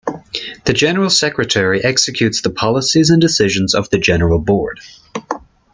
The General Secretary executes the policies and decisions of the General Board.